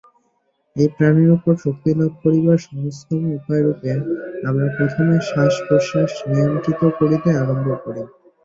এই প্রাণের উপর শক্তিলাভ করিবার সহজতম উপায়রূপে আমরা প্রথমে শ্বাসপ্রশ্বাস নিয়ন্ত্রিত করিতে আরম্ভ করি।